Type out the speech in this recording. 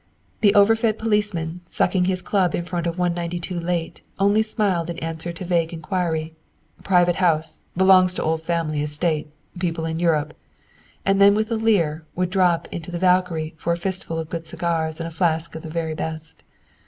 The over fed policeman sucking his club in front of 192 Layte only smiled in answer to vague inquiry, "Private house, belongs to old family estate, people in Europe," and then with a leer would drop into the "Valkyrie" for a fistful of good cigars and a flask of the very best.